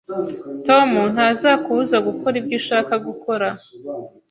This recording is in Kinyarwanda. Tom ntazakubuza gukora ibyo ushaka gukora